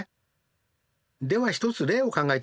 では一つ例を考えてみましょう。